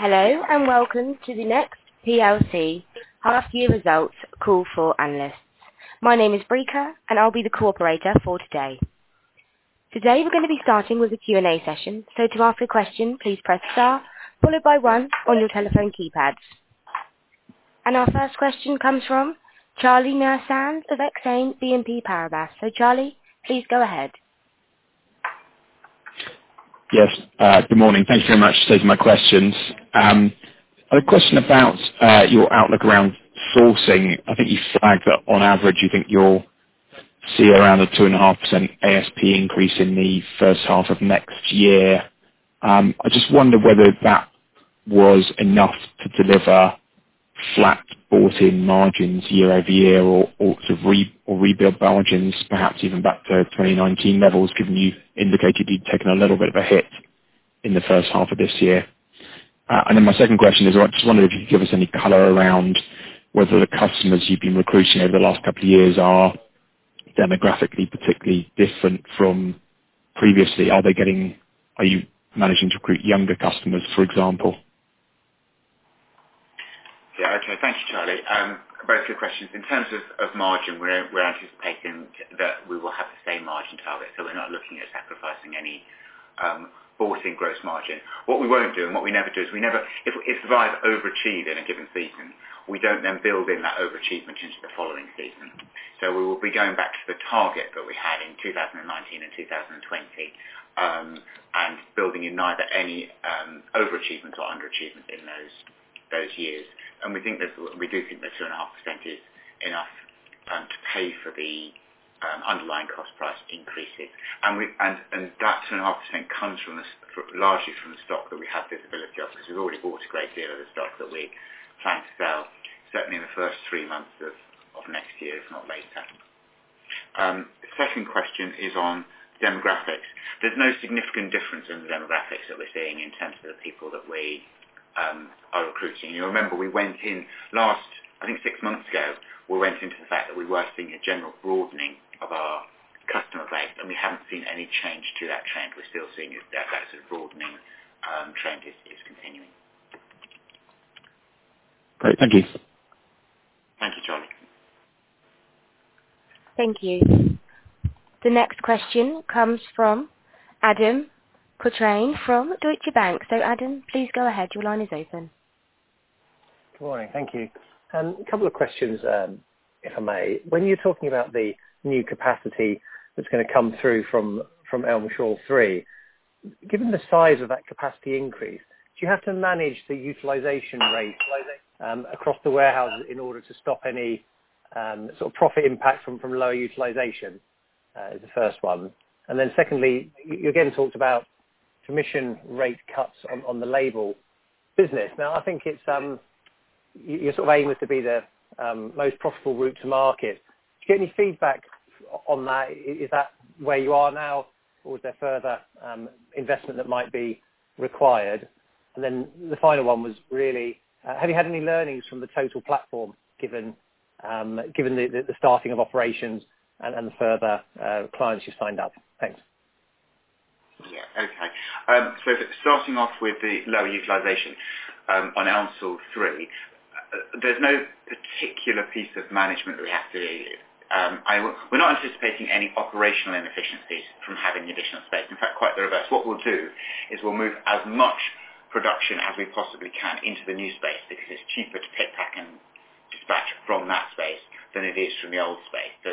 Hello and welcome to the NEXT plc H1 Results Call for Analysts. My name is Becca, and I'll be the operator for today. Today we're going to be starting with a Q&A session, so to ask a question, please press star followed by one on your telephone keypads. And our first question comes from Charlie Muir-Sands of Exane BNP Paribas. So Charlie, please go ahead. Yes, good morning. Thanks very much for taking my questions. A question about your outlook around sourcing. I think you flagged that on average you think you'll see around a 2.5% ASP increase in the first half of next year. I just wonder whether that was enough to deliver flat bought-in margins year-over-year or rebuild margins, perhaps even back to 2019 levels, given you indicated you'd taken a little bit of a hit in the first half of this year. And then my second question is, I just wondered if you could give us any color around whether the customers you've been recruiting over the last couple of years are demographically particularly different from previously. Are you managing to recruit younger customers, for example? Yeah, okay. Thank you, Charlie. Both good questions. In terms of margin, we're anticipating that we will have the same margin target, so we're not looking at sacrificing any bought-in gross margin. What we won't do, and what we never do, is if we've overachieved in a given season, we don't then build in that overachievement into the following season. So we will be going back to the target that we had in 2019 and 2020 and building in neither any overachievements or underachievements in those years. And we do think that 2.5% is enough to pay for the underlying cost-price increases. And that 2.5% comes largely from the stock that we have visibility of because we've already bought a great deal of the stock that we plan to sell, certainly in the first three months of next year, if not later. Second question is on demographics. There's no significant difference in the demographics that we're seeing in terms of the people that we are recruiting. You'll remember we went in last, I think, six months ago, we went into the fact that we were seeing a general broadening of our customer base, and we haven't seen any change to that trend. We're still seeing that sort of broadening trend is continuing. Great. Thank you. Thank you, Charlie. Thank you. The next question comes from Adam Cochrane from Deutsche Bank. So Adam, please go ahead. Your line is open. Good morning. Thank you. A couple of questions, if I may. When you're talking about the new capacity that's going to come through from Elmsall 3, given the size of that capacity increase, do you have to manage the utilization rate across the warehouse in order to stop any sort of profit impact from lower utilization? Is the first one. And then secondly, you again talked about commission rate cuts on the Label business. Now, I think you're sort of aiming to be the most profitable route to market. Do you get any feedback on that? Is that where you are now, or is there further investment that might be required? And then the final one was really, have you had any learnings from the Total Platform given the starting of operations and the further clients you've signed up? Thanks. Yeah, okay. So starting off with the lower utilization on Elmsall 3, there's no particular piece of management reactivated. We're not anticipating any operational inefficiencies from having the additional space. In fact, quite the reverse. What we'll do is we'll move as much production as we possibly can into the new space because it's cheaper to pick, pack, and dispatch from that space than it is from the old space. So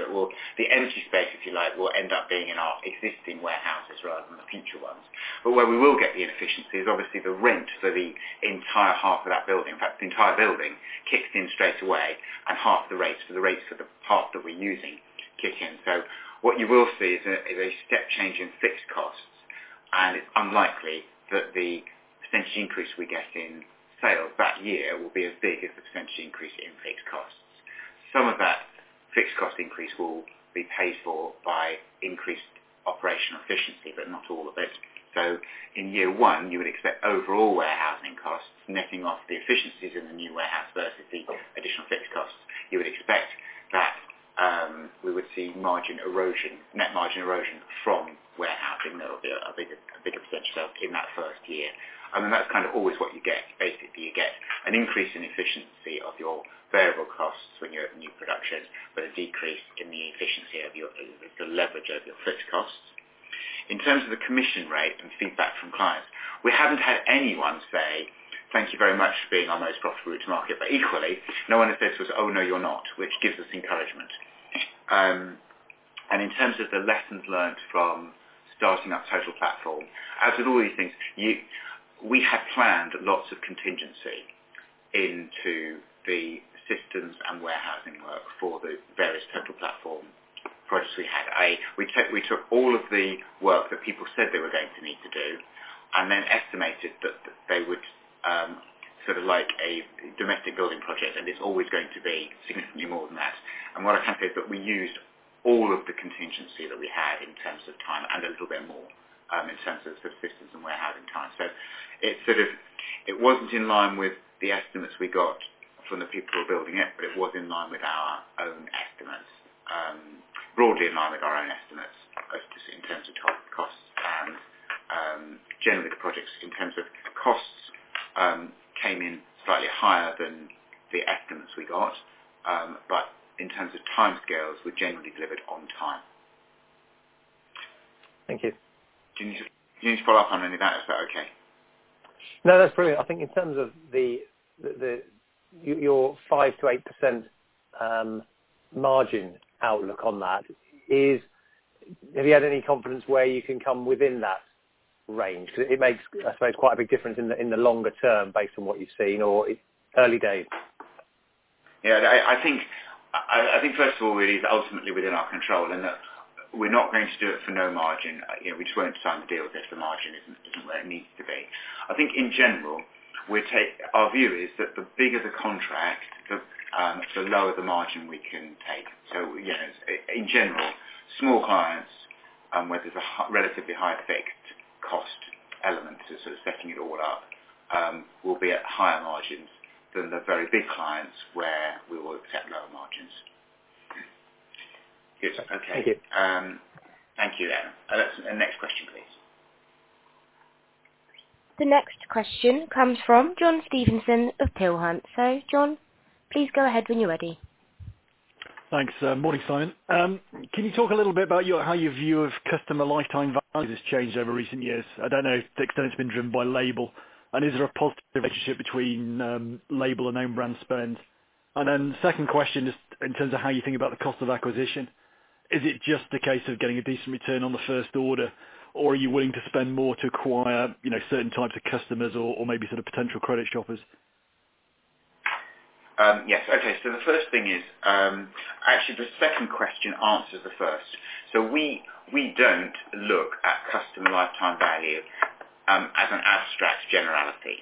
the empty space, if you like, will end up being in our existing warehouses rather than the future ones. But where we will get the inefficiency is obviously the rent for the entire half of that building. In fact, the entire building kicks in straight away, and half the rates for the part that we're using kick in. So what you will see is a step change in fixed costs, and it's unlikely that the percentage increase we get in sales that year will be as big as the percentage increase in fixed costs. Some of that fixed cost increase will be paid for by increased operational efficiency, but not all of it. So in year one, you would expect overall warehousing costs netting off the efficiencies in the new warehouse versus the additional fixed costs. You would expect that we would see net margin erosion from warehousing. There'll be a bigger percentage of sales in that first year. And then that's kind of always what you get. Basically, you get an increase in efficiency of your variable costs when you're at new production, but a decrease in the efficiency of the leverage of your fixed costs. In terms of the commission rate and feedback from clients, we haven't had anyone say, thank you very much for being our most profitable route to market, but equally, no one has said to us, oh, no, you're not, which gives us encouragement. And in terms of the lessons learned from starting up Total Platform, as with all these things, we had planned lots of contingency into the systems and warehousing work for the various Total Platform projects we had. We took all of the work that people said they were going to need to do and then estimated that they would sort of like a domestic building project, and it's always going to be significantly more than that. What I can say is that we used all of the contingency that we had in terms of time and a little bit more in terms of systems and warehousing time. So it wasn't in line with the estimates we got from the people who were building it, but it was in line with our own estimates, broadly in line with our own estimates in terms of costs and generally the projects. In terms of costs, came in slightly higher than the estimates we got, but in terms of time scales, were generally delivered on time. Thank you. Do you need to follow up on any of that? Is that okay? No, that's brilliant. I think in terms of your 5%-8% margin outlook on that, have you had any confidence where you can come within that range? Because it makes, I suppose, quite a big difference in the longer term based on what you've seen or early days. Yeah, I think first of all, really, it's ultimately within our control and that we're not going to do it for no margin. We just won't sign the deal if the margin isn't where it needs to be. I think in general, our view is that the bigger the contract, the lower the margin we can take. So in general, small clients, where there's a relatively high fixed cost element to sort of setting it all up, will be at higher margins than the very big clients where we will accept lower margins. Good. Okay. Thank you, the. Next question, please. The next question comes from John Stevenson of Peel Hunt. So John, please go ahead when you're ready. Thanks. Morning, Simon. Can you talk a little bit about how your view of customer lifetime value has changed over recent years? I don't know to the extent it's been driven by Label, and is there a positive relationship between Label and own brand spend? And then second question is in terms of how you think about the cost of acquisition. Is it just a case of getting a decent return on the first order, or are you willing to spend more to acquire certain types of customers or maybe sort of potential credit shoppers? Yes. Okay, so the first thing is, actually, the second question answers the first, so we don't look at customer lifetime value as an abstract generality.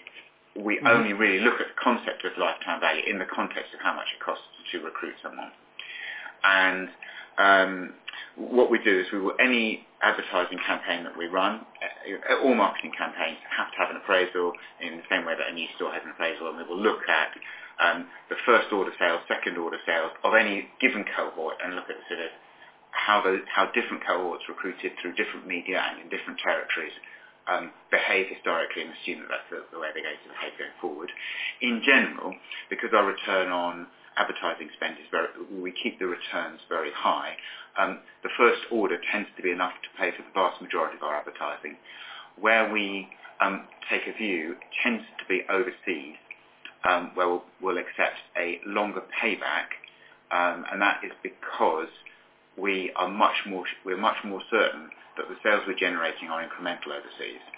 We only really look at the concept of lifetime value in the context of how much it costs to recruit someone, and what we do is any advertising campaign that we run, all marketing campaigns, have to have an appraisal in the same way that a new store has an appraisal, and we will look at the first order sales, second order sales of any given cohort and look at sort of how different cohorts recruited through different media and in different territories behave historically and assume that that's the way they're going to behave going forward. In general, because our return on advertising spend is very we keep the returns very high, the first order tends to be enough to pay for the vast majority of our advertising. Where we take a view tends to be overseas, where we'll accept a longer payback, and that is because we are much more certain that the sales we're generating are incremental overseas. It's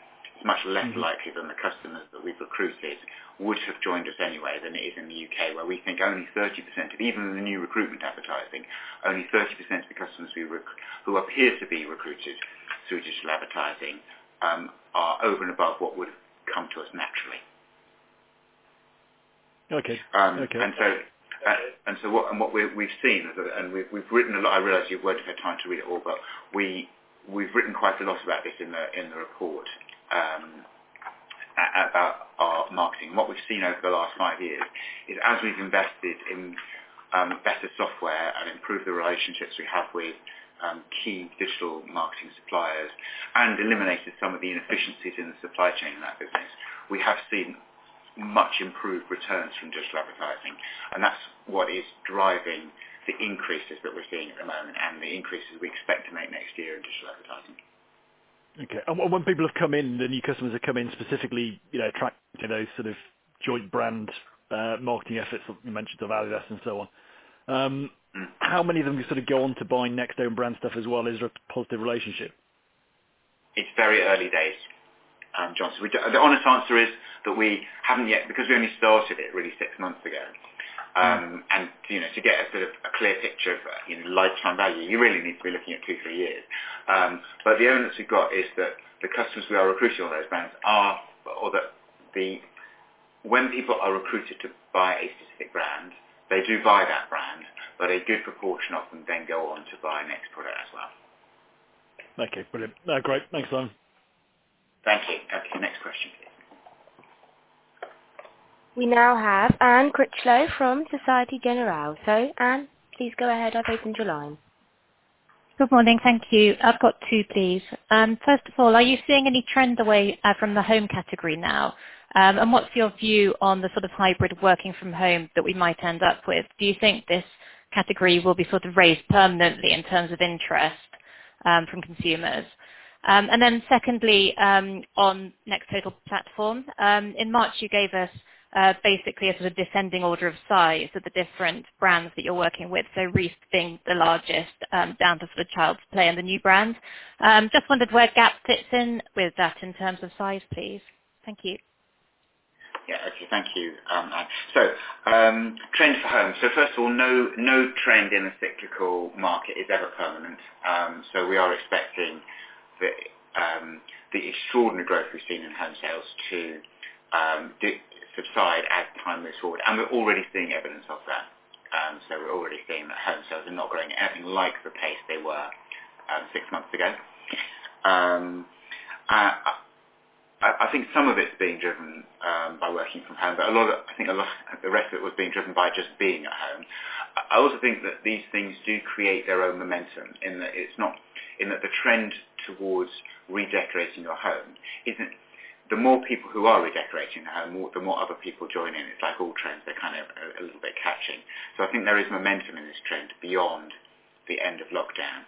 much less likely than the customers that we've recruited would have joined us anyway than it is in the U.K., where we think only 30% of even the new recruitment advertising, only 30% of the customers who appear to be recruited through digital advertising are over and above what would have come to us naturally. What we've seen, and we've written a lot. I realize you won't have time to read it all, but we've written quite a lot about this in the report about our marketing. What we've seen over the last five years is, as we've invested in better software and improved the relationships we have with key digital marketing suppliers and eliminated some of the inefficiencies in the supply chain in that business, we have seen much improved returns from digital advertising. That's what is driving the increases that we're seeing at the moment and the increases we expect to make next year in digital advertising. Okay. And when people have come in, the new customers have come in specifically attracting those sort of joint brand marketing efforts that you mentioned, so Validus and so on. How many of them sort of go on to buy NEXT own brand stuff as well? Is there a positive relationship? It's very early days, John. So the honest answer is that we haven't yet because we only started it really six months ago. And to get a sort of a clear picture of lifetime value, you really need to be looking at two, three years. But the evidence we've got is that the customers we are recruiting on those brands are, or that when people are recruited to buy a specific brand, they do buy that brand, but a good proportion of them then go on to buy NEXT product as well. Okay. Brilliant. Great. Thanks, Simon. Thank you. Okay. Next question, please. We now have Anne Critchlow from Société Générale. So Anne, please go ahead. I've opened your line. Good morning. Thank you. I've got two, please. First of all, are you seeing any trend away from the home category now? And what's your view on the sort of hybrid working from home that we might end up with? Do you think this category will be sort of raised permanently in terms of interest from consumers? And then secondly, on NEXT Total Platform, in March, you gave us basically a sort of descending order of size of the different brands that you're working with. So Reiss being the largest, down to sort of Childsplay and the new brand. Just wondered where Gap fits in with that in terms of size, please. Thank you. Yeah. Okay. Thank you, Anne. So, trend for home. First of all, no trend in the cyclical market is ever permanent. We are expecting the extraordinary growth we've seen in home sales to subside as time moves forward. We are already seeing evidence of that. We are already seeing that home sales are not going at like the pace they were six months ago. I think some of it's being driven by working from home, but I think the rest of it was being driven by just being at home. I also think that these things do create their own momentum in that the trend towards redecorating your home isn't. The more people who are redecorating their home, the more other people join in. It's like all trends. They are kind of a little bit catching. So I think there is momentum in this trend beyond the end of lockdown,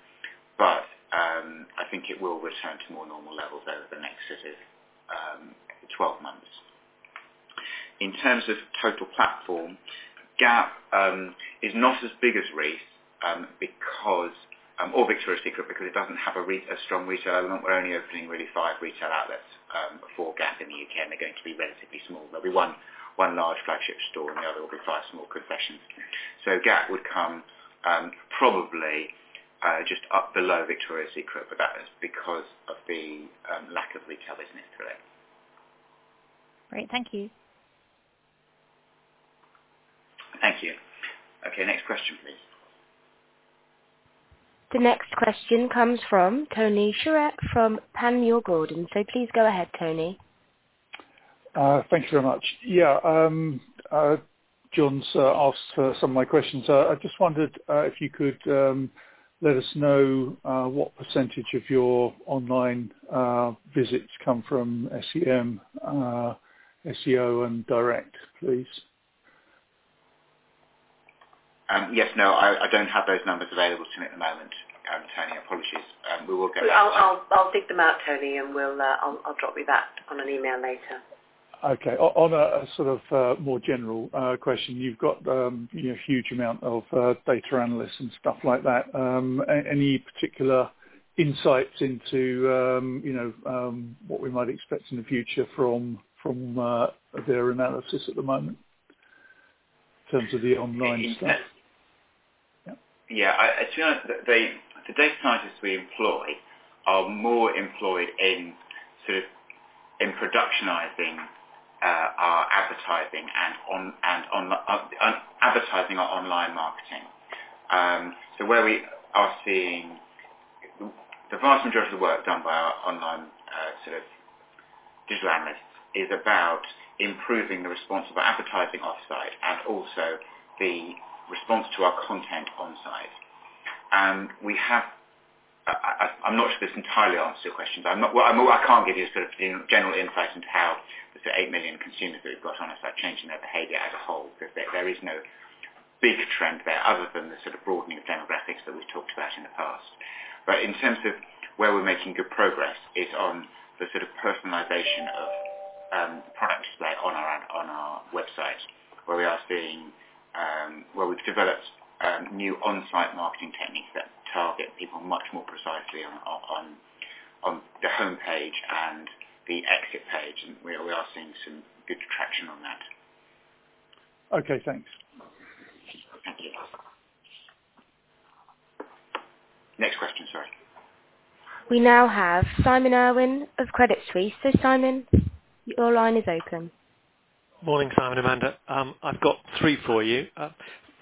but I think it will return to more normal levels over the next sort of 12 months. In terms of Total Platform, Gap is not as big as Reiss or Victoria's Secret because it doesn't have a strong retail element. We're only opening really five retail outlets for Gap in the U.K., and they're going to be relatively small. There'll be one large flagship store, and the other will be five small concessions. So Gap would come probably just up below Victoria's Secret, but that is because of the lack of retail business through it. Great. Thank you. Thank you. Okay, next question, please. The next question comes from Tony Shiret from Panmure Gordon. So please go ahead, Tony. Thank you very much. Yeah. John's asked for some of my questions. I just wondered if you could let us know what percentage of your online visits come from SEM, SEO, and direct, please. Yes. No, I don't have those numbers available to me at the moment, Tony. Apologies. We will get them. I'll take them out, Tony, and I'll drop you back on an email later. Okay. On a sort of more general question, you've got a huge amount of data analysts and stuff like that. Any particular insights into what we might expect in the future from their analysis at the moment in terms of the online stuff? Yeah. To be honest, the data scientists we employ are more employed in sort of productionizing our advertising and advertising our online marketing. So where we are seeing the vast majority of the work done by our online sort of digital analysts is about improving the response of our advertising offsite and also the response to our content onsite. And I'm not sure this entirely answers your question. I can't give you sort of general insight into how the 8 million consumers that we've got on our site are changing their behavior as a whole because there is no big trend there other than the sort of broadening of demographics that we've talked about in the past. But in terms of where we're making good progress is on the sort of personalization of products on our website, where we are seeing where we've developed new onsite marketing techniques that target people much more precisely on the homepage and the exit page. And we are seeing some good traction on that. Okay. Thanks. Thank you. Next question. Sorry. We now have Simon Irwin of Credit Suisse. So Simon, your line is open. Morning, Simon, Amanda. I've got three for you.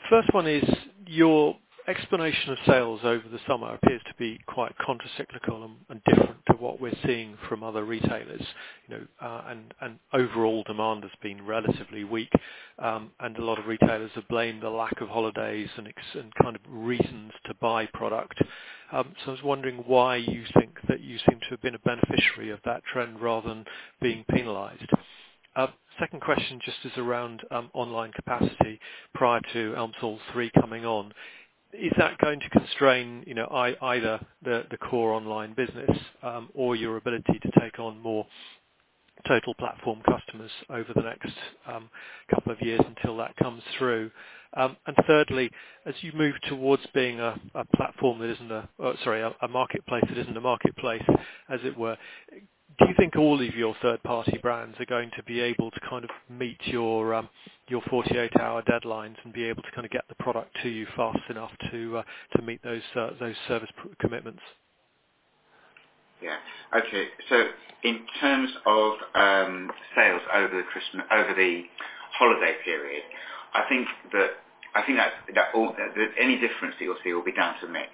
First one is your explanation of sales over the summer appears to be quite countercyclical and different to what we're seeing from other retailers, and overall demand has been relatively weak, and a lot of retailers have blamed the lack of holidays and kind of reasons to buy product, so I was wondering why you think that you seem to have been a beneficiary of that trend rather than being penalized. Second question just is around online capacity prior to Elmsall 3 coming on. Is that going to constrain either the core online business or your ability to take on more Total Platform customers over the next couple of years until that comes through? Thirdly, as you move towards being a platform that isn't a, sorry, a marketplace that isn't a marketplace, as it were, do you think all of your third-party brands are going to be able to kind of meet your 48-hour deadlines and be able to kind of get the product to you fast enough to meet those service commitments? Yeah. Okay. So in terms of sales over the holiday period, I think that any difference that you'll see will be down to mix.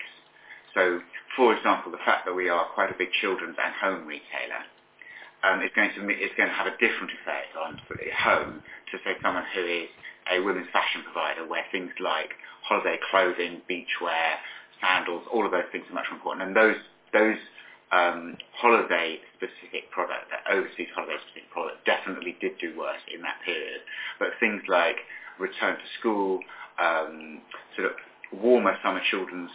So for example, the fact that we are quite a big children's and home retailer is going to have a different effect on home too, say, someone who is a women's fashion provider where things like holiday clothing, beachwear, sandals, all of those things are much more important. And those holiday-specific products, that overseas holiday-specific products, definitely did do worse in that period. But things like return to school, sort of warmer summer children's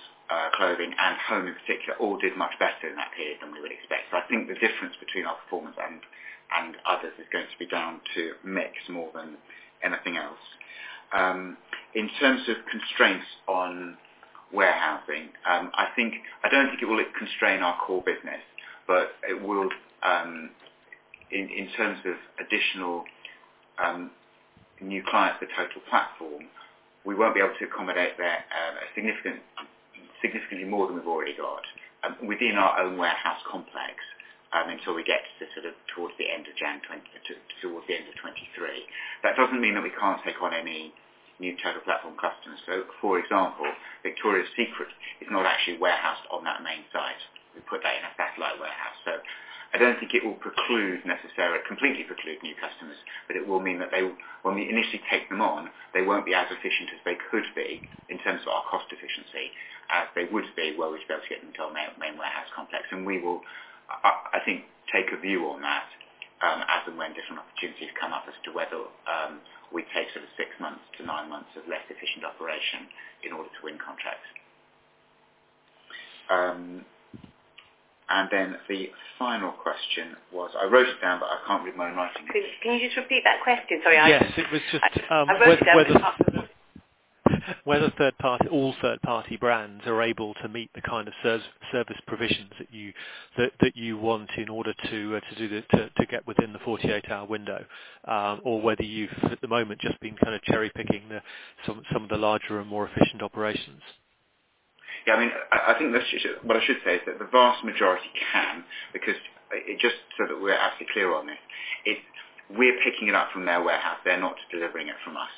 clothing, and home in particular all did much better in that period than we would expect. So I think the difference between our performance and others is going to be down to mix more than anything else. In terms of constraints on warehousing, I don't think it will constrain our core business, but in terms of additional new clients for Total Platform, we won't be able to accommodate significantly more than we've already got within our own warehouse complex until we get sort of towards the end of January 2022, towards the end of 2023. That doesn't mean that we can't take on any new Total Platform customers. So for example, Victoria's Secret is not actually warehoused on that main site. We put that in a satellite warehouse. So I don't think it will necessarily completely preclude new customers, but it will mean that when we initially take them on, they won't be as efficient as they could be in terms of our cost efficiency as they would be where we've been able to get them to our main warehouse complex. And we will, I think, take a view on that as and when different opportunities come up as to whether we take sort of six months to nine months of less efficient operation in order to win contracts. And then the final question was. I wrote it down, but I can't remember my own writing. Can you just repeat that question? Sorry. Yes. It was just whether all third-party brands are able to meet the kind of service provisions that you want in order to get within the 48-hour window, or whether you've at the moment just been kind of cherry-picking some of the larger and more efficient operations? Yeah. I mean, I think what I should say is that the vast majority can because just so that we're absolutely clear on this, we're picking it up from their warehouse. They're not delivering it to us.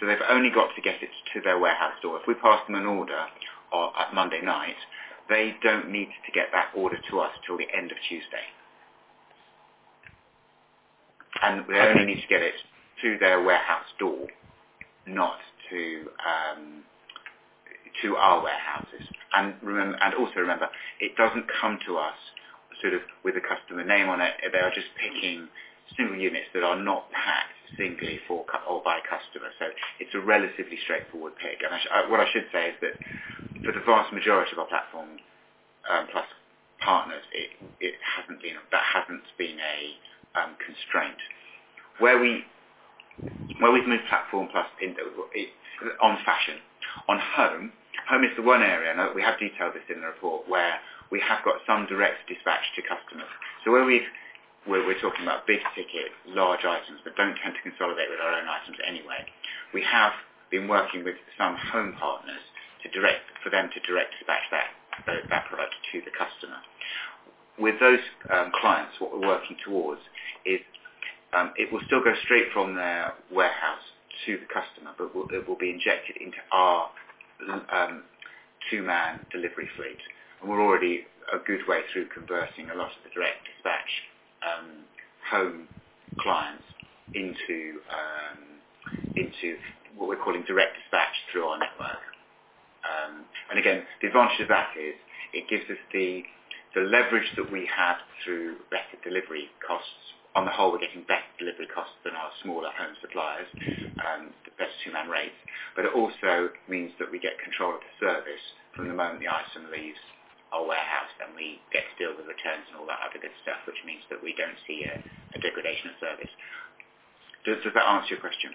So they've only got to get it to their warehouse door. If we pass them an order on Monday night, they don't need to get that order to us until the end of Tuesday. And they only need to get it to their warehouse door, not to our warehouses. And also remember, it doesn't come to us sort of with a customer name on it. They are just picking single units that are not packed singly or by customer. So it's a relatively straightforward pick. And what I should say is that for the vast majority of our Platform Plus partners, that hasn't been a constraint. Where we've moved Platform Plus into on fashion, on home, home is the one area, and we have detailed this in the report, where we have got some Direct Dispatch to customers. So where we're talking about big tickets, large items that don't tend to consolidate with our own items anyway, we have been working with some home partners for them to Direct Dispatch that product to the customer. With those clients, what we're working towards is it will still go straight from their warehouse to the customer, but it will be injected into our two-man delivery fleet, and we're already a good way through converting a lot of the Direct Dispatch home clients into what we're calling Direct Dispatch through our network, and again, the advantage of that is it gives us the leverage that we have through better delivery costs. On the whole, we're getting better delivery costs than our smaller home suppliers, the best two-man rates. But it also means that we get control of the service from the moment the item leaves our warehouse, and we get to deal with returns and all that other good stuff, which means that we don't see a degradation of service. Does that answer your question?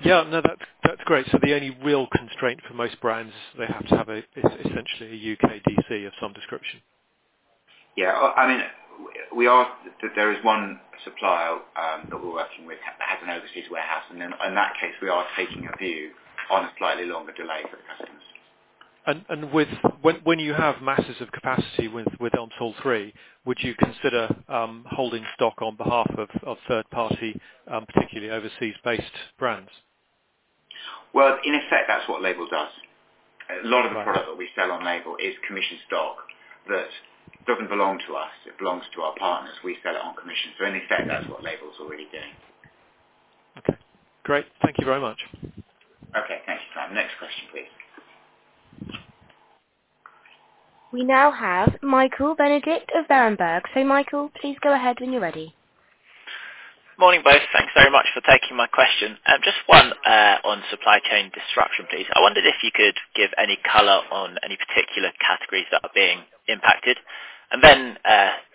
Yeah. No, that's great. So the only real constraint for most brands, they have to have essentially a U.K. DC of some description. Yeah. I mean, there is one supplier that we're working with that has an overseas warehouse, and in that case, we are taking a view on a slightly longer delay for the customers. When you have masses of capacity with Elmsall 3, would you consider holding stock on behalf of third-party, particularly overseas-based brands? In effect, that's what Label does. A lot of the product that we sell on Label is commission stock that doesn't belong to us. It belongs to our partners. We sell it on commission. So in effect, that's what Label's already doing. Okay. Great. Thank you very much. Okay. Thank you, Simon. Next question, please. We now have Michael Benedict of Berenberg. So Michael, please go ahead when you're ready. Morning, both. Thanks very much for taking my question. Just one on supply chain disruption, please. I wondered if you could give any color on any particular categories that are being impacted. And then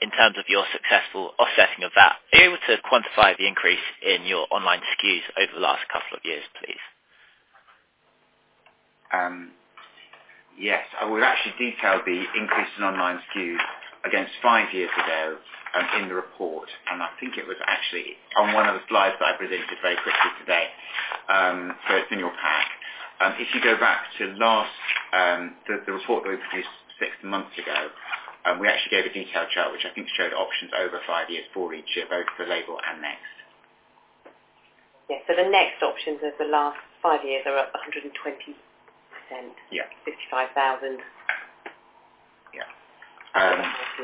in terms of your successful offsetting of that, are you able to quantify the increase in your online SKUs over the last couple of years, please? Yes. We've actually detailed the increase in online SKUs against five years ago in the report. And I think it was actually on one of the slides that I presented very quickly today. So it's in your pack. If you go back to the report that we produced six months ago, we actually gave a detailed chart, which I think showed options over five years for each year, both for Label and NEXT. Yeah. So the NEXT options over the last five years are up 120%, 55,000.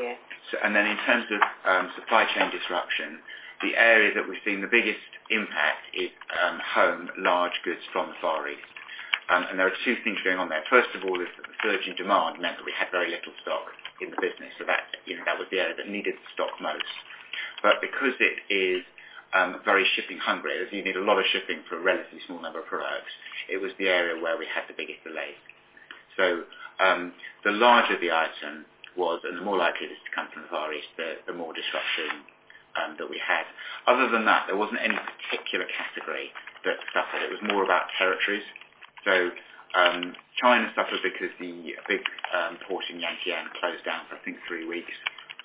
Yeah. And then in terms of supply chain disruption, the area that we've seen the biggest impact is home, large goods from the Far East. And there are two things going on there. First of all, is that the surge in demand meant that we had very little stock in the business. So that was the area that needed the stock most. But because it is very shipping hungry, as you need a lot of shipping for a relatively small number of products, it was the area where we had the biggest delays. So the larger the item was, and the more likely it is to come from the Far East, the more disruption that we had. Other than that, there wasn't any particular category that suffered. It was more about territories. So China suffered because the big port in Yantian closed down for, I think, three weeks.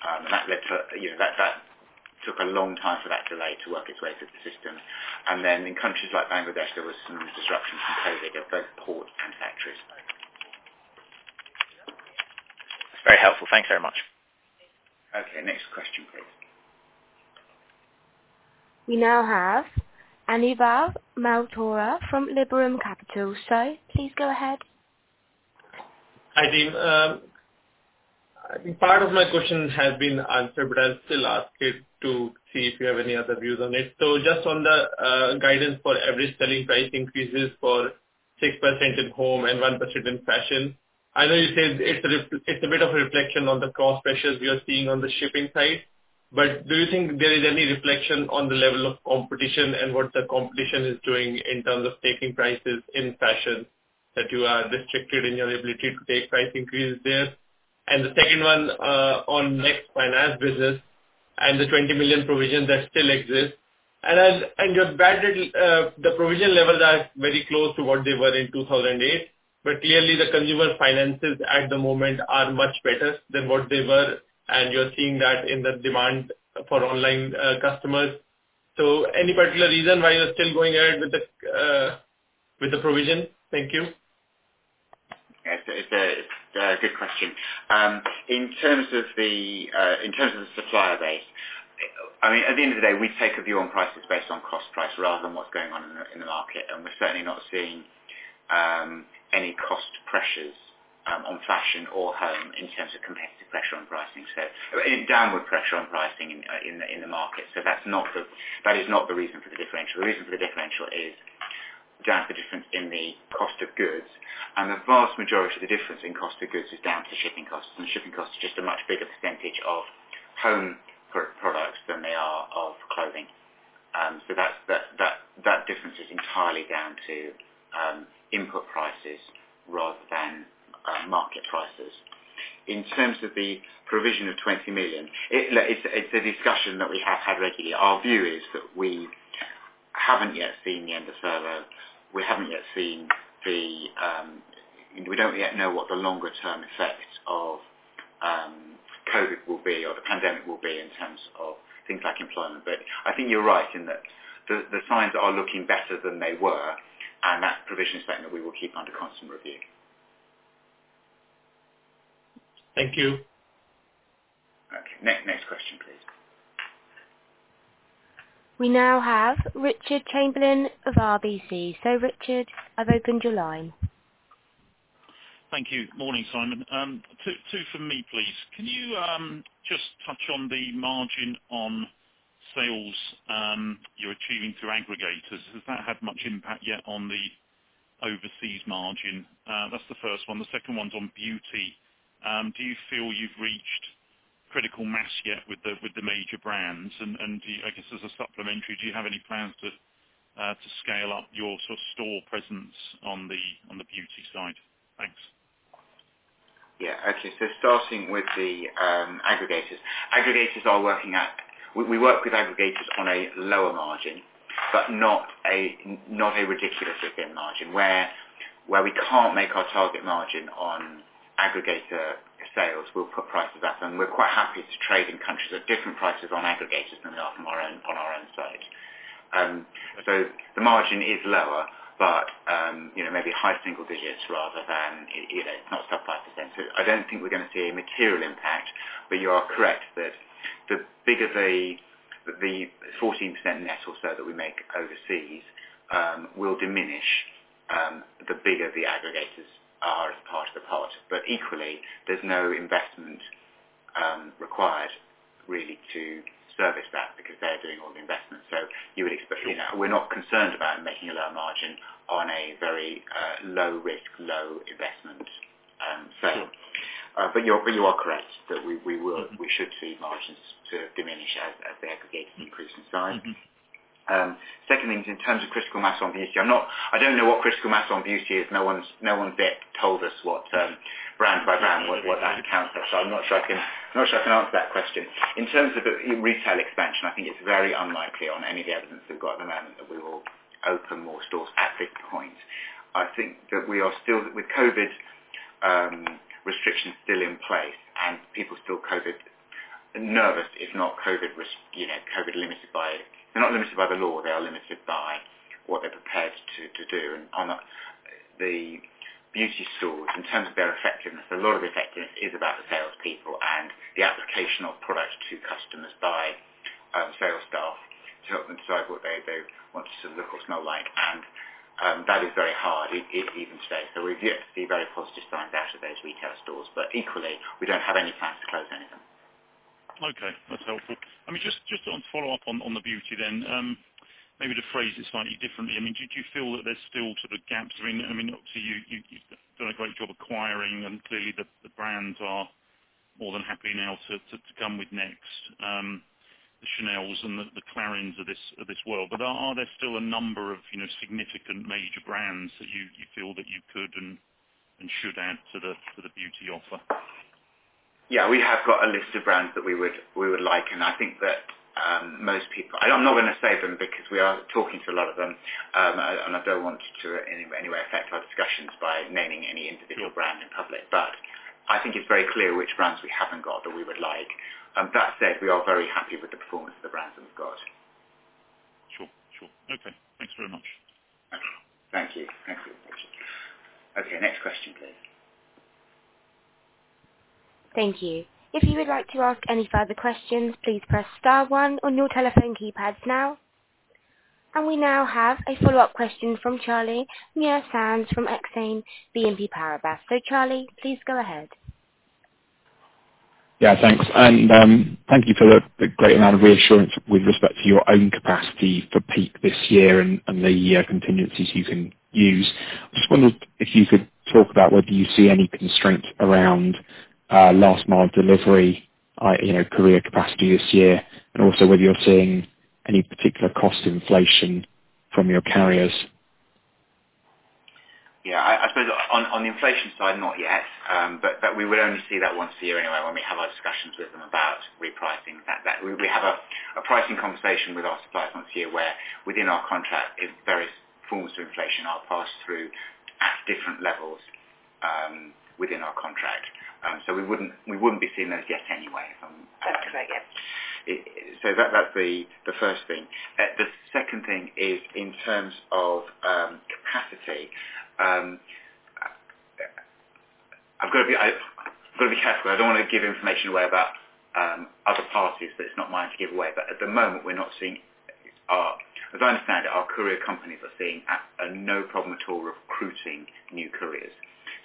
That took a long time for that delay to work its way through the system. Then in countries like Bangladesh, there was some disruption from COVID at both ports and factories. That's very helpful. Thanks very much. Okay. Next question, please. We now have Anubhav Malhotra from Liberum Capital, so please go ahead. Hi, team. Part of my question has been answered, but I'll still ask it to see if you have any other views on it, so just on the guidance for average selling price increases for 6% in home and 1% in fashion, I know you said it's a bit of a reflection on the cost pressures you're seeing on the shipping side, but do you think there is any reflection on the level of competition and what the competition is doing in terms of taking prices in fashion that you are restricted in your ability to take price increases there, and the second one on NEXT finance business and the 20 million provision that still exists, and the provision levels are very close to what they were in 2008, but clearly the consumer finances at the moment are much better than what they were. And you're seeing that in the demand for online customers. So any particular reason why you're still going ahead with the provision? Thank you. It's a good question. In terms of the supplier base, I mean, at the end of the day, we take a view on prices based on cost price rather than what's going on in the market. And we're certainly not seeing any cost pressures on fashion or home in terms of competitive pressure on pricing, downward pressure on pricing in the market. So that is not the reason for the differential. The reason for the differential is down to the difference in the cost of goods. And the vast majority of the difference in cost of goods is down to shipping costs. And shipping costs are just a much bigger percentage of home products than they are of clothing. So that difference is entirely down to input prices rather than market prices. In terms of the provision of 20 million, it's a discussion that we have had regularly. Our view is that we haven't yet seen the end of furlough. We haven't yet seen. We don't yet know what the longer-term effects of COVID will be or the pandemic will be in terms of things like employment. But I think you're right in that the signs are looking better than they were, and that provision statement, we will keep under constant review. Thank you. Okay. Next question, please. We now have Richard Chamberlain of RBC. So Richard, I've opened your line. Thank you. Morning, Simon. Two from me, please. Can you just touch on the margin on sales you're achieving through aggregators? Has that had much impact yet on the overseas margin? That's the first one. The second one's on beauty. Do you feel you've reached critical mass yet with the major brands? And I guess as a supplementary, do you have any plans to scale up your sort of store presence on the beauty side? Thanks. Yeah. Okay. So starting with the aggregators. We work with aggregators on a lower margin, but not a ridiculously thin margin. Where we can't make our target margin on aggregator sales, we'll put prices up. And we're quite happy to trade in countries at different prices on aggregators than we are on our own side. So the margin is lower, but maybe high single digits rather than. It's not sub 5%. So I don't think we're going to see a material impact. But you are correct that the bigger the 14% net or so that we make overseas will diminish the bigger the aggregators are as part of the pot. But equally, there's no investment required really to service that because they're doing all the investment. So we're not concerned about making a lower margin on a very low-risk, low-investment sale. But you are correct that we should see margins sort of diminish as the aggregators increase in size. Second thing is in terms of critical mass on beauty, I don't know what critical mass on beauty is. No one's yet told us brand by brand what that counts as. So I'm not sure I can answer that question. In terms of retail expansion, I think it's very unlikely on any of the evidence we've got at the moment that we will open more stores at this point. I think that we are still with COVID restrictions still in place and people still COVID nervous, if not COVID limited by. They're not limited by the law. They are limited by what they're prepared to do. And the beauty stores, in terms of their effectiveness, a lot of the effectiveness is about the salespeople and the application of products to customers by sales staff to help them decide what they want to look or smell like. And that is very hard even today. So we've yet to see very positive signs out of those retail stores. But equally, we don't have any plans to close any of them. Okay. That's helpful. I mean, just to follow up on the beauty then, maybe to phrase it slightly differently, I mean, do you feel that there's still sort of gaps? I mean, obviously, you've done a great job acquiring, and clearly the brands are more than happy now to come with NEXT, the Chanel, and the Clarins of this world. But are there still a number of significant major brands that you feel that you could and should add to the beauty offer? Yeah. We have got a list of brands that we would like. And I think that most people. I'm not going to say them because we are talking to a lot of them. And I don't want to, in any way, affect our discussions by naming any individual brand in public. But I think it's very clear which brands we haven't got that we would like. That said, we are very happy with the performance of the brands that we've got. Sure. Sure. Okay. Thanks very much. Thank you. Thank you. Okay. Next question, please. Thank you. If you would like to ask any further questions, please press star one on your telephone keypads now. And we now have a follow-up question from Charlie Muir-Sands from Exane BNP Paribas. So Charlie, please go ahead. Yeah. Thanks and thank you for the great amount of reassurance with respect to your own capacity for peak this year and the contingencies you can use. I just wondered if you could talk about whether you see any constraints around last-mile delivery, carrier capacity this year, and also whether you're seeing any particular cost inflation from your carriers? Yeah. I suppose on the inflation side, not yet. But we would only see that once a year anyway when we have our discussions with them about repricing. We have a pricing conversation with our suppliers once a year where within our contract, various forms of inflation are passed through at different levels within our contract. So we wouldn't be seeing those yet anyway. That's correct. Yes. So that's the first thing. The second thing is in terms of capacity. I've got to be careful. I don't want to give information away about other parties, but it's not mine to give away. But at the moment, as I understand it, our courier companies are seeing no problem at all recruiting new couriers.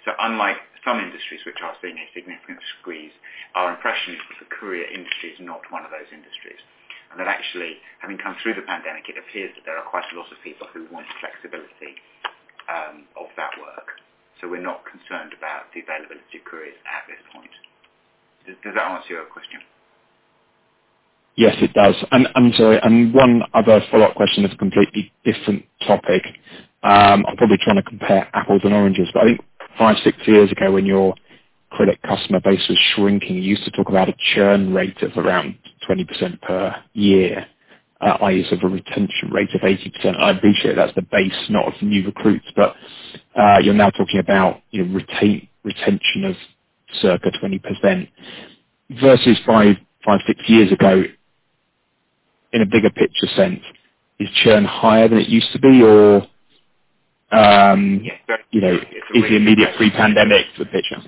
So unlike some industries which are seeing a significant squeeze, our impression is that the courier industry is not one of those industries. And actually, having come through the pandemic, it appears that there are quite a lot of people who want flexibility of that work. So we're not concerned about the availability of couriers at this point. Does that answer your question? Yes, it does, and I'm sorry, and one other follow-up question of a completely different topic. I'm probably trying to compare apples and oranges, but I think five, six years ago, when your credit customer base was shrinking, you used to talk about a churn rate of around 20% per year, i.e., sort of a retention rate of 80%. I appreciate that's the base, not of new recruits. But you're now talking about retention of circa 20% versus five, six years ago in a bigger picture sense. Is churn higher than it used to be, or is the immediate pre-pandemic the picture?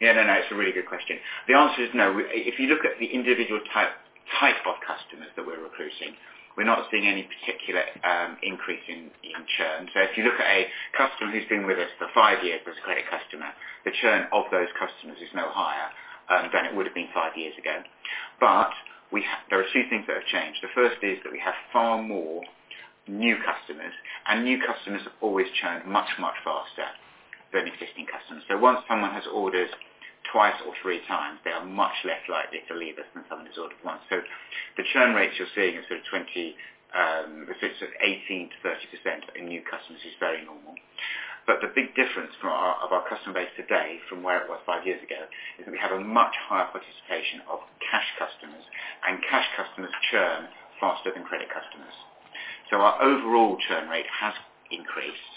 Yeah. No, no. It's a really good question. The answer is no. If you look at the individual type of customers that we're recruiting, we're not seeing any particular increase in churn. So if you look at a customer who's been with us for five years as a credit customer, the churn of those customers is no higher than it would have been five years ago. But there are two things that have changed. The first is that we have far more new customers. And new customers have always churned much, much faster than existing customers. So once someone has ordered twice or three times, they are much less likely to leave us than someone has ordered once. So the churn rates you're seeing is sort of 18%-30% in new customers, which is very normal. But the big difference of our customer base today from where it was five years ago is that we have a much higher participation of cash customers. And cash customers churn faster than credit customers. So our overall churn rate has increased,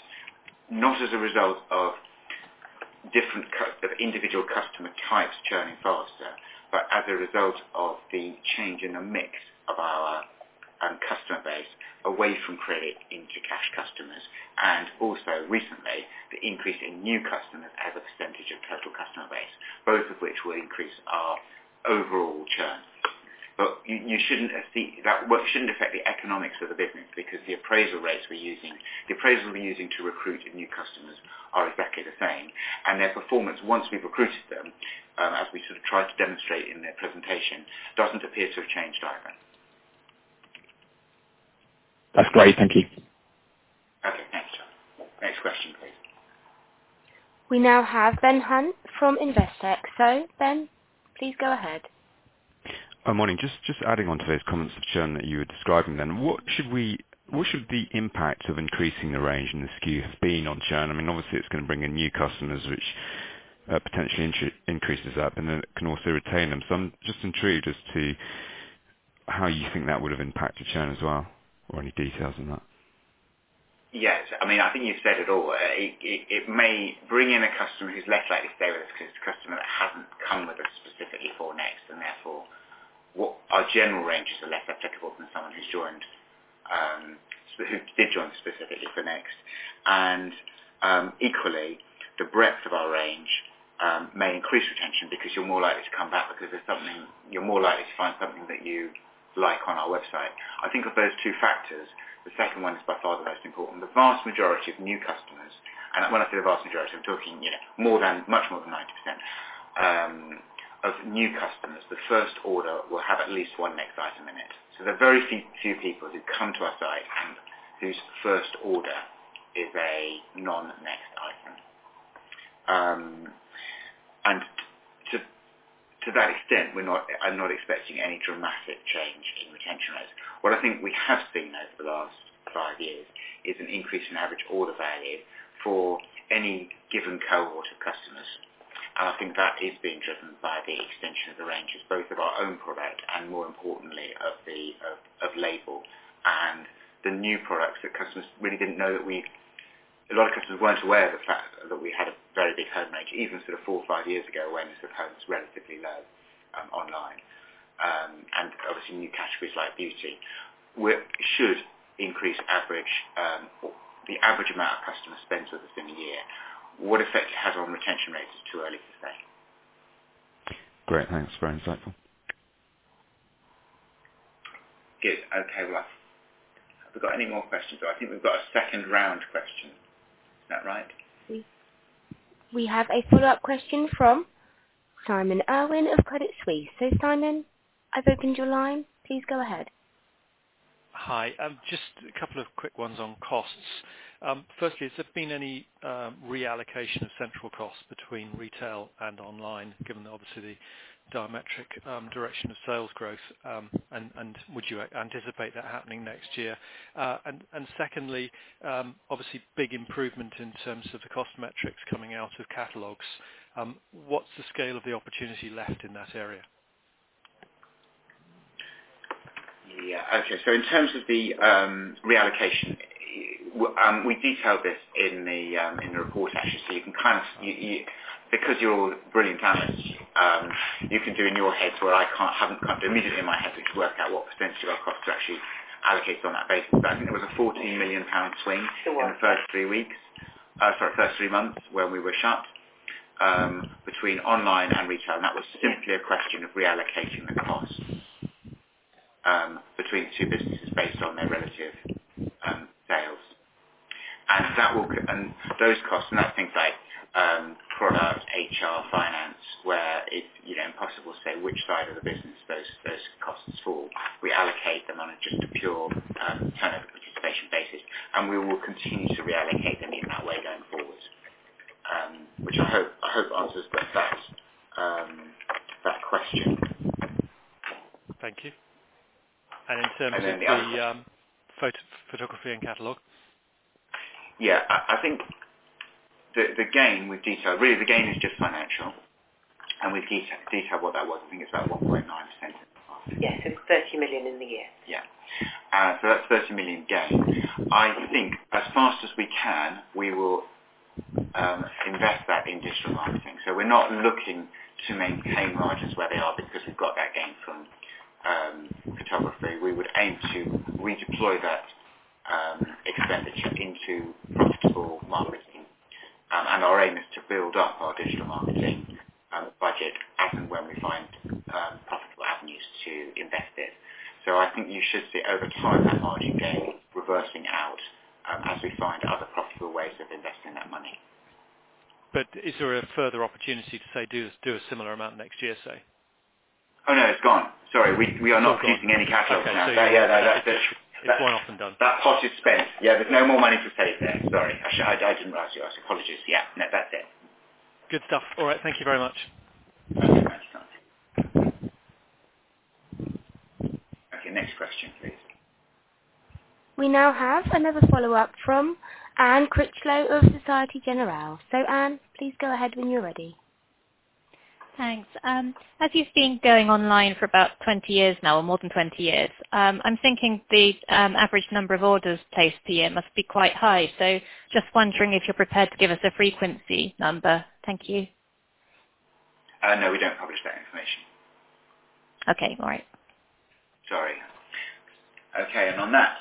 not as a result of individual customer types churning faster, but as a result of the change in the mix of our customer base away from credit into cash customers. And also recently, the increase in new customers as a percentage of total customer base, both of which will increase our overall churn. But that shouldn't affect the economics of the business because the appraisal rates we're using, the appraisal we're using to recruit new customers are exactly the same. And their performance once we've recruited them, as we sort of tried to demonstrate in their presentation, doesn't appear to have changed either. That's great. Thank you. Okay. Next question, please. We now have Ben Hunt from Investec. So Ben, please go ahead. Good morning. Just adding on to those comments of churn that you were describing then. What should the impact of increasing the range and the skew have been on churn? I mean, obviously, it's going to bring in new customers, which potentially increases that, but then it can also retain them. So I'm just intrigued as to how you think that would have impacted churn as well or any details on that. Yes. I mean, I think you've said it all. It may bring in a customer who's less likely to stay with us because it's a customer that hasn't come with us specifically for NEXT. And therefore, our general ranges are less applicable than someone who's joined specifically for NEXT. And equally, the breadth of our range may increase retention because you're more likely to come back because you're more likely to find something that you like on our website. I think of those two factors. The second one is by far the most important. The vast majority of new customers and when I say the vast majority, I'm talking much more than 90%, of new customers, the first order will have at least one NEXT item in it. So there are very few people who come to our site and whose first order is a non-NEXT item. To that extent, I'm not expecting any dramatic change in retention rates. What I think we have seen over the last five years is an increase in average order value for any given cohort of customers. I think that is being driven by the extension of the ranges, both of our own product and, more importantly, of label and the new products that customers really didn't know that we, a lot of customers weren't aware of the fact that we had a very big home range. Even sort of four or five years ago, awareness of homes was relatively low online. Obviously, new categories like beauty should increase the average amount of customer spends with us in a year. What effect it has on retention rates is too early to say. Great. Thanks. Very insightful. Good. Okay. Well, have we got any more questions? I think we've got a second round question. Is that right? We have a follow-up question from Simon Irwin of Credit Suisse. So Simon, I've opened your line. Please go ahead. Hi. Just a couple of quick ones on costs. Firstly, has there been any reallocation of central costs between retail and online, given obviously the diametric direction of sales growth? And would you anticipate that happening next year? And secondly, obviously, big improvement in terms of the cost metrics coming out of catalogs. What's the scale of the opportunity left in that area? Yeah. Okay. So in terms of the reallocation, we detailed this in the report, actually. So you can kind of, because you're all brilliant planners, you can do in your heads what I haven't immediately in my head to work out what percentage of our costs are actually allocated on that basis. But I think there was a 14 million pound swing in the first three weeks, sorry, first three months, when we were shut between online and retail. And that was simply a question of reallocating the cost between the two businesses based on their relative sales. And those costs, and that's things like product, HR, finance, where it's impossible to say which side of the business those costs fall. We allocate them on a just pure turnover participation basis. And we will continue to reallocate them in that way going forward, which I hope answers that question. Thank you. And in terms of the photography and catalog? Yeah. I think the gain with detail, really, the gain is just financial, and we've detailed what that was. I think it's about 1.9%. Yes. It's GBP 30 million in the year. Yeah, so that's 30 million gain. I think as fast as we can, we will invest that in digital marketing, so we're not looking to maintain margins where they are because we've got that gain from photography. We would aim to redeploy that expenditure into profitable marketing, and our aim is to build up our digital marketing budget as and when we find profitable avenues to invest it, so I think you should see over time that margin gain reversing out as we find other profitable ways of investing that money. But is there a further opportunity to say, do a similar amount next year, say? Oh no, it's gone. Sorry. We are not producing any catalogs now. Yeah. That's it. It's way often done. That pot is spent. Yeah. There's no more money to save there. Sorry. I didn't write it. I apologize. Yeah. No, that's it. Good stuff. All right. Thank you very much. Okay. Thanks. Okay. Next question, please. We now have another follow-up from Anne Critchlow of Société Générale. So Anne, please go ahead when you're ready. Thanks. As you've been going online for about 20 years now or more than 20 years, I'm thinking the average number of orders placed per year must be quite high. So just wondering if you're prepared to give us a frequency number? Thank you. No, we don't publish that information. Okay. All right. Sorry. Okay. And on that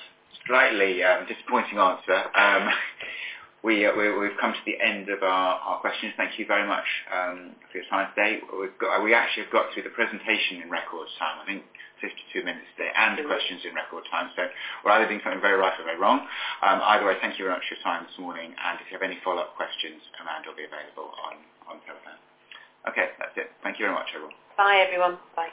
slightly disappointing answer, we've come to the end of our questions. Thank you very much for your time today. We actually have got through the presentation in record time. I think 52 minutes today and the questions in record time. So we're either doing something very right or very wrong. Either way, thank you very much for your time this morning. And if you have any follow-up questions, Amanda will be available on the telephone. Okay. That's it. Thank you very much, everyone. Bye, everyone. Bye.